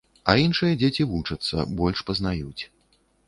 А іншыя дзеці вучацца, больш пазнаюць.